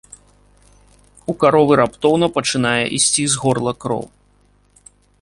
У каровы раптоўна пачынае ісці з горла кроў.